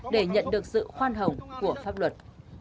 để nhận được sự khoan hồng của pháp luật